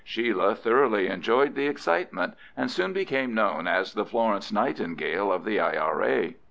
Sheila thoroughly enjoyed the excitement, and soon became known as the Florence Nightingale of the I.R.A.